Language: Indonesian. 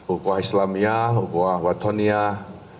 ukuah islamiah ukuah watoniah